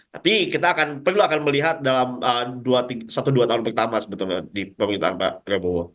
tapi kita akan perlu akan melihat dalam satu dua tahun pertama sebetulnya di pemerintahan pak prabowo